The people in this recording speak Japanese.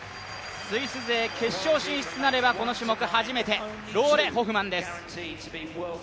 スイス勢、決勝進出なればこの種目初めてローレ・ホフマンです。